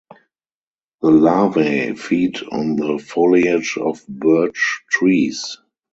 The larvae feed on the foliage of birch trees.